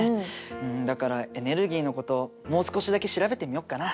だからエネルギーのこともう少しだけ調べてみよっかな。